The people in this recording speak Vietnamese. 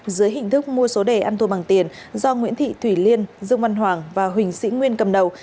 dưới hình thức mua số đề ăn thua bằng tiền do nguyễn thị thủy liên dương văn hoàng và huỳnh sĩ nguyên cầm đầu